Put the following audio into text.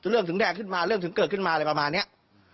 เรื่องถึงแดงขึ้นมาเรื่องถึงเกิดขึ้นมาอะไรประมาณนี้